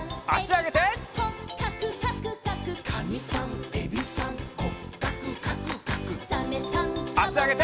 あしあげて。